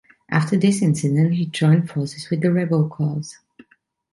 After this incident, he joined forces with the rebel cause.